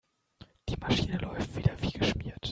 Die Maschine läuft wieder wie geschmiert.